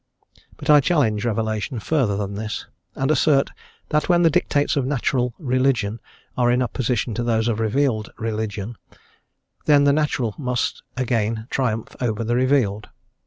But I challenge revelation further than this, and assert that when the dictates of natural_ religion_ are in opposition to those of revealed religion then the natural must again triumph over the revealed.